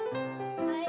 はい！